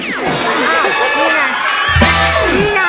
อ้าวตรงนี้ไง